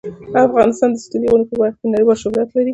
افغانستان د ستوني غرونه په برخه کې نړیوال شهرت لري.